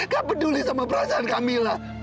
kamu peduli sama perasaan kamila